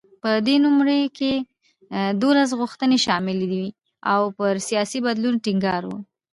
په دې نوملړ کې دولس غوښتنې شاملې وې او پر سیاسي بدلون ټینګار و.